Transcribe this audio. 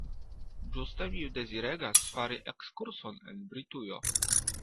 Ĝuste mi deziregas fari ekskurson en Britujo.